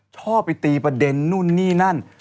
ชอบไปตีประเด็นนู่นนี่นั่น